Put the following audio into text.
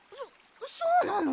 そそうなの？